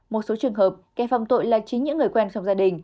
một số trường hợp kẻ phạm tội là chính những người quen trong gia đình